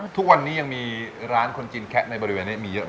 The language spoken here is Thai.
ทุกวันนี้ยังมีร้านคนจีนแคะในบริเวณนี้มีเยอะ